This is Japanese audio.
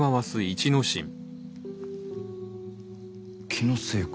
気のせいか。